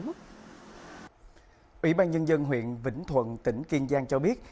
ủy ban nhân dân huyện vĩnh thuận tỉnh kiên giang cho biết